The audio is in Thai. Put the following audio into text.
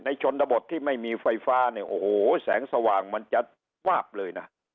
ชนบทที่ไม่มีไฟฟ้าเนี่ยโอ้โหแสงสว่างมันจะวาบเลยนะ